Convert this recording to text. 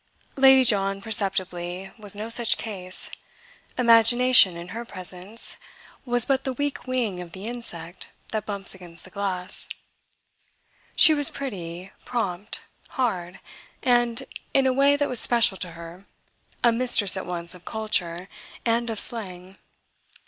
Lady John, perceptibly, was no such case; imagination, in her presence, was but the weak wing of the insect that bumps against the glass. She was pretty, prompt, hard, and, in a way that was special to her, a mistress at once of "culture" and of slang.